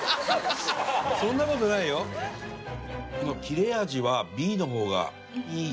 切れ味はＢの方がいい。